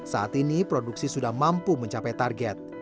saat ini produksi sudah mampu mencapai target